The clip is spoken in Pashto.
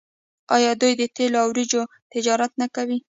آیا دوی د تیلو او وریجو تجارت نه کوي؟